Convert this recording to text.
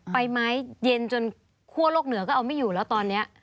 ใบไม้เย็นจนคั่วโลกเหนือก็เอาไม่อยู่แล้วตอนนี้